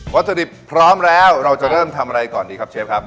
ถุดิบพร้อมแล้วเราจะเริ่มทำอะไรก่อนดีครับเชฟครับ